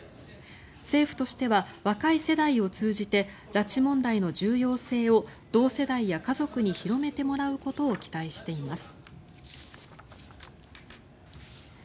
政府としては若い世代を通じて拉致問題の重要性を同世代や家族に広めてもらうことを期待しています。